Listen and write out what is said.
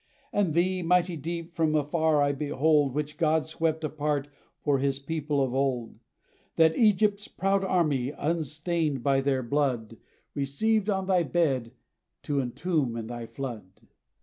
And thee, mighty deep, from afar I behold, Which God swept apart for his people of old That Egypt's proud army, unstained by their blood, Received on thy bed, to entomb in thy flood.